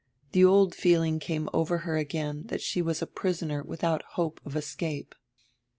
The old feeling came over her again that she was a prisoner without hope of escape.